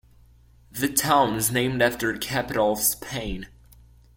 The town is named after the capital of Spain.